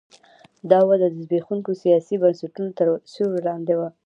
دا وده د زبېښونکو سیاسي بنسټونو تر سیوري لاندې وه.